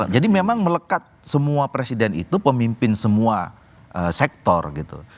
jadi memang melekat semua presiden itu pemimpin semua sektor gitu